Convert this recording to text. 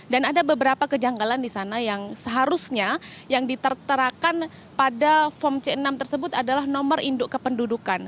dan ada beberapa kejanggalan di sana yang seharusnya yang diterterakan pada form c enam tersebut adalah nomor induk kependudukan